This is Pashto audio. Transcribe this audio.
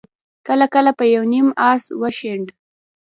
کله کله به يو نيم آس وشڼېد.